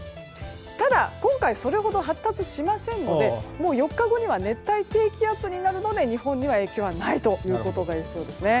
ただ、今回それほど発達しませんのでもう４日後には熱帯低気圧になるので日本には影響がないといえそうですね。